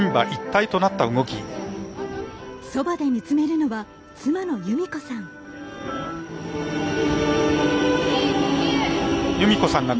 そばで見つめるのは妻の裕美子さん。